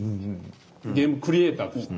ゲームクリエイターとして。